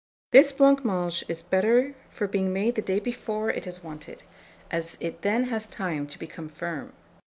This blancmange is better for being made the day before it is wanted, as it then has time to become firm.